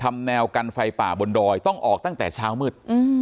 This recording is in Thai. แนวกันไฟป่าบนดอยต้องออกตั้งแต่เช้ามืด